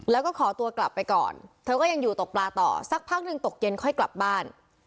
แล้วก็ขอตัวกลับไปก่อนเธอก็ยังอยู่ตกปลาต่อสักพักหนึ่งตกเย็นค่อยกลับบ้าน